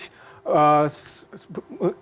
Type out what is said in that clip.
kemungkinan itu juga ada di jepang